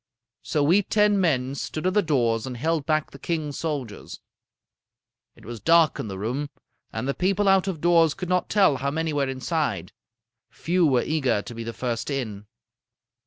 "So we ten men stood at the doors and held back the king's soldiers. It was dark in the room, and the people out of doors could not tell how many were inside. Few were eager to be the first in.